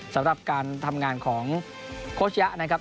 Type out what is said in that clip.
สำหรับการทำงานของโคชยะนะครับ